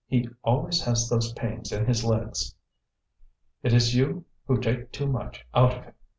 He always has those pains in his legs." "It is you who take too much out of him.